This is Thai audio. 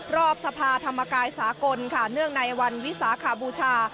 รอบสภาธรรมกายสากลค่ะเนื่องในวันวิสาขบูชา